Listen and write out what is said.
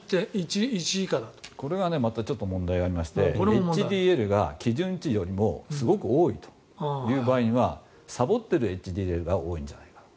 これが問題がありましてＨＤＬが基準値よりもすごく多いという場合にはさぼっているＨＤＬが多いんじゃないか。